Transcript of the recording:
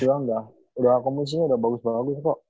sudah komisinya udah bagus bagus kok